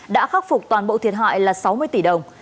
đã khắc phục toàn bộ thiệt hại là sáu mươi tỷ đồng